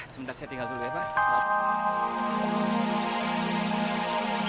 sebentar saya tinggal dulu ya pak